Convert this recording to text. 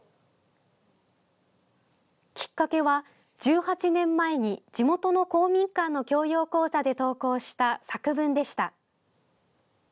きっかけは、１８年前に地元の公民館の教養講座で投稿した作文でした。